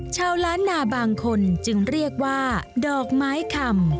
ชาวล้านนาบางคนจึงเรียกว่าดอกไม้คำ